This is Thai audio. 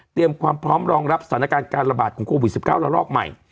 ความพร้อมรองรับสถานการณ์การระบาดของโควิด๑๙ระลอกใหม่